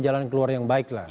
jalan keluar yang baik lah